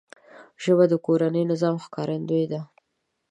ژبه د کورني نظم ښکارندوی ده